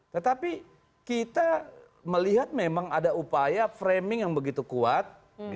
tetapi kita melihat memang ada upaya framing yang begitu kuat